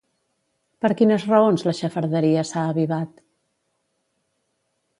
Per quines raons la xafarderia s'ha avivat?